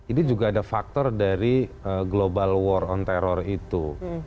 ini juga ada faktor dari global war on terror itu